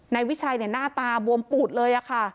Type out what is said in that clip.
นายวิชัยหน้าตาบวมปูดเลยค่ะ